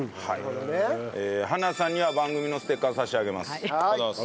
はなさんには番組のステッカーを差し上げます。